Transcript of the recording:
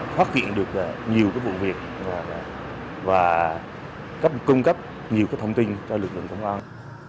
phát hiện được nhiều cái vụ việc và cung cấp nhiều cái thông tin cho lực lượng công an